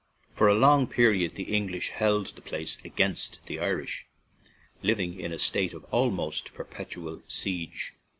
For a long period the English held the place against the Irish, living in a state of al most perpetual siege.